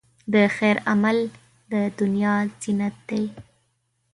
د خیر عمل، د دنیا زینت دی.